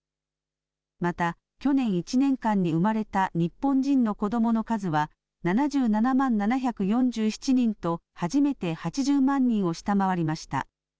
また、去年１年間に生まれた日本人の子どもの数は、７７万７４７人と、初めて８０万人を下回りました。